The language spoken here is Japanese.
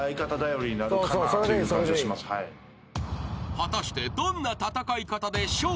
［果たして］